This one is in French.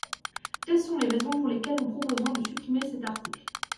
Telles sont les raisons pour lesquelles nous proposons de supprimer cet article.